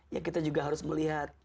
ya kita juga harus melihat